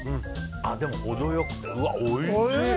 でもほど良くて、おいしい。